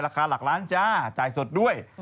ราคาหลักล้านจ้าจ่ายสดด้วย